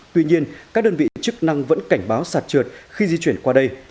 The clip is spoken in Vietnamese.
tuy nhiên các đơn vị chức năng vẫn cảnh báo sạt trượt khi di chuyển qua đây